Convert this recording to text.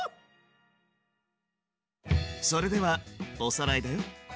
それではおさらいだよ。